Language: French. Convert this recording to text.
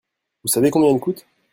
Vous savez combien il coûte ?